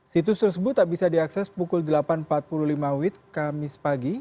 situs tersebut tak bisa diakses pukul delapan empat puluh lima wit kamis pagi